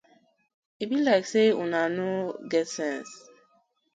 E bi layk say uno no get sence.